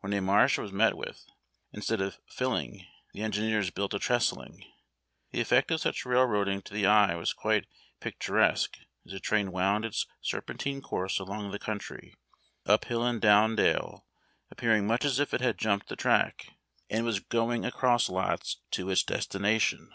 When a marsh was met with, instead of filHng, the enghieers built a trestling. The effect of such railroad ing to the eye was quite picturesque, as a train wound its serpentine course along the country, up hill and down dale, appearing much as if it had jumped the track, and was going across lots to its destination.